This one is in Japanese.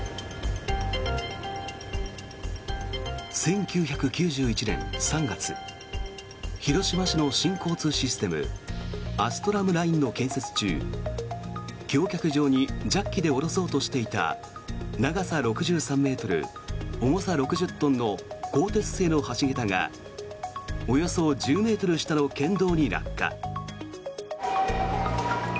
１９９１年３月広島市の新交通システムアストラムラインの建設中橋脚上にジャッキで下ろそうとしていた長さ６３ｍ、重さ６０トンの鋼鉄製の橋桁がおよそ１０ｍ下の県道に落下。